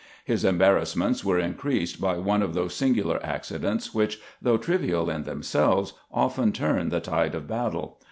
His embarrassments were increased by one of those singular accidents which, though trivial in themselves, often turn the tide of battle.